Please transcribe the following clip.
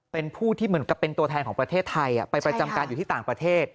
เป็นผู้ที่เหมือนกับเป็นตัวแทนของประเทศไทยไปประจำการอยู่ที่ต่างประเทศ